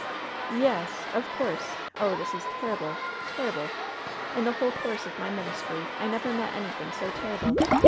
^TTe yes! Of course! Oh, this is terrible, terrible! In the whole course of my ministry I never met any thing so terrible.